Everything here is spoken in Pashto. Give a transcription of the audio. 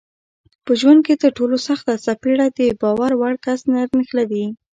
په ژوند کې ترټولو سخته څپېړه دباور وړ کس درنښلوي